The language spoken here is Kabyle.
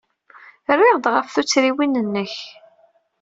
Rriɣ-d ɣef tuttriwin-nnek.